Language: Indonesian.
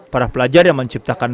para pelajar yang menciptakan